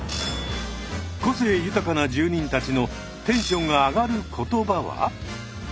個性豊かな住人たちのテンションが上がる言葉は？